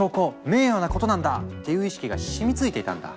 名誉なことなんだ！」っていう意識が染みついていたんだ。